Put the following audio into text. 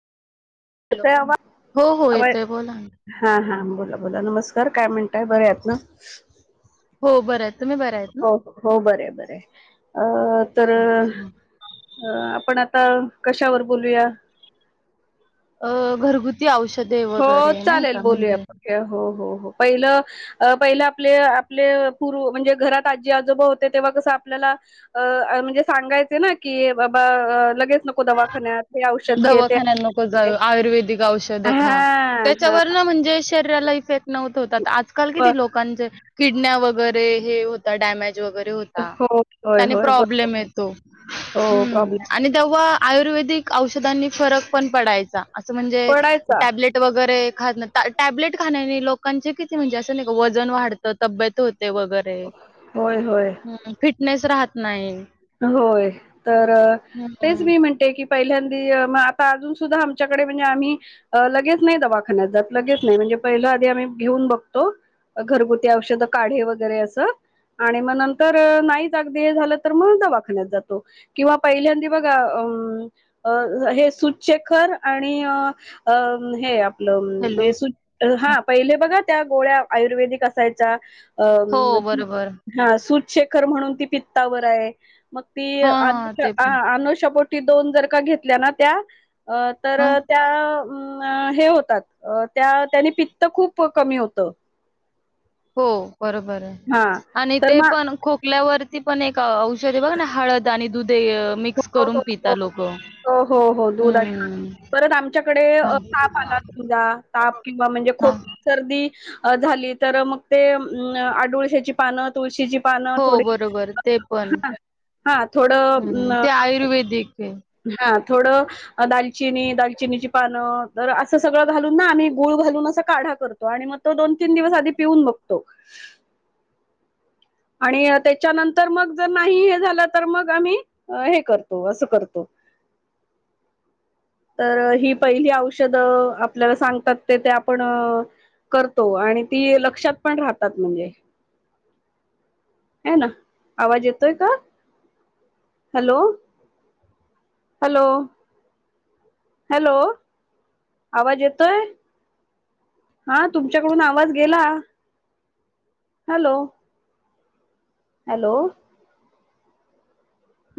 Hello. हो हो येतोय [unintelligible] बोला ना. हा हा बोला बोला नमस्कार काय म्हणताय बरे आहेत ना? हो बरं आहेत तुम्ही बऱ्या आहेत ना? हो हो बरय बरय अ तर अच्छा. अ आपण आता कशावर बोलूया? अ घरगुती औषधे हो वगैरे नाय चालेल का म्हणजे [unintelligible] हो हो हो पहिलं अ पहिले आपले आपले पूर्व म्हणजे, घरात आजी- आजोबा होते तेव्हा कसं आपल्याला अ मणजे सांगायचे ना की, बाबा लगेच नको दवा दवाखान्या नको जाव आयुर्वेदिक औषधं हा त्याच्यावरन म्हणजे शरीराला इफेक्ट नव्हत होत आजकाल किती लोकांचे किडण्या वगैरे हे होता डॅमेज वगैरे होत हा, हो होय त्याने होय बरोबर प्रॉब्लेम येतो हो हम्म. प्रॉब्लेम आणि तेव्हा आयुर्वेदिक औषधांनी फरक पण पडायचा असं म्हणजे पडायचा टॅबलेट वगैरे खात टॅबलेट खाण्याने लोकांचे किती म्हणजे असं नाही का वजन वाढतं तब्येत होते वगैरे. होय होय हम्म फिटनेस राहत नाय. होय तर तेच मी म्हणते की पहिल्यांदी म आता अजून सुद्धा आमच्याकडे, म्हणजे आम्ही अ लगेच नाय दवाखान्यात जात लगेच नाय म्हणजे पहिलं आधी आम्ही घेऊन बघतो. घरगुती औषध काढे वगैरे अस, आणि म नंतर नाही अगदी झालं तर म दवाखान्यात जातो, किंवा पहिल्यांदी बघा अं अ हे सुचेखर आणि अं हे हॅलो. [unintelligible] हा पहिले बघा त्या गोळ्या आयुर्वेदिक असायच्या. हो, अंम बरोबर. हा सूजशेखर म्हणून ती पित्तावर हाय. मग ती अनु हां, ते पण. अनुष्यापोटी दोन जर का घेतल्या ना त्या अ तर, हं. त्या अ हे होतात त्या त्याने पित्त खूप कमी होतं.. हो बरोबर हाय. हा आणि तर ते मग पण खोकल्यावर ती पण एक औषध बघ ना हळद आणि दुधे मिक्स हो करून हो पिता हो लोक. हो हो हो दूध आणि [unintelligible] परत आमच्याकडे हां. ताप आला समजा ताप किंवा म्हणजे हां. खोप सर्दी अं झाली तर मग ते अडुळसाची पान पान तुळशीची पानं हो, थोडी बरोबर. ते पण. [unintelligible] हा थोड, हं. म. ते आयुर्वेदिक हे. हा थोडं. दालचिनी दालचिनीची पानं तर, असं सगळं घालून ना आम्ही गुळ घालून असं काढा करतो. तो आणि मग तो दोन तीन दिवस आधी पिऊन बघतो. आणि त्याच्यानंतर मग जर नाही हे झालं तर, मग आम्ही हे करतो असं करतो. [inaudible] तर ही पहिली औषधं आपल्याला, सांगतात ते ते आपण करतो आणि ती लक्षात पण राहतात म्हणजे. हाय ना आवाज येतोय का? हॅलो! हॅलो! हॅलो. आवाज येतोय. हा तुमच्याकडून आवाज गेला. Hello hello